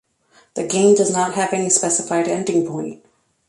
The game does not have any specified ending point.